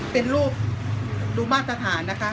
เป็นรูปดูมาตรฐานนะคะ